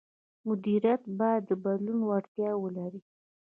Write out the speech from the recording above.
مدیریت باید د بدلون وړتیا ولري.